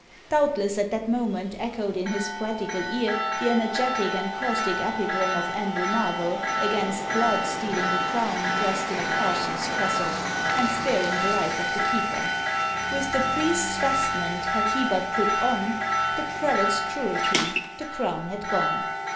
Doubtless at that moment echoed in his poetical ear the energetic and caustic epigram of Andrew Marvel, against Blood stealing the crown dressed in a parson's cassock, and sparing the life of the keeper: With the Priest's vestment _had he but put on The Prelate's cruelty the Crown had gone!